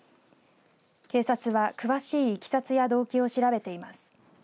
警察は詳しいいきさつや動機を調べています。